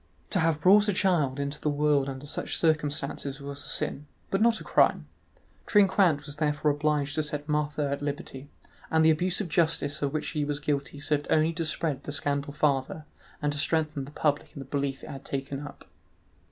To have brought a child into the world under such circumstances was a sin, but not a crime; Trinquant was therefore obliged to set Marthe at liberty, and the abuse of justice of which he was guilty served only to spread the scandal farther and to strengthen the public in the belief it had taken up.